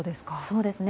そうですね。